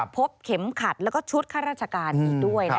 พบเข็มขัดแล้วก็ชุดข้าราชการอีกด้วย